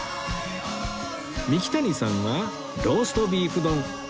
三木谷さんはローストビーフ丼